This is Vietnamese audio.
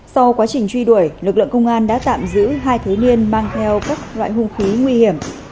sau quá trình truy đuổi lực lượng công an đã tạm giữ hai thiếu niên mang theo các loại hung khí nguy hiểm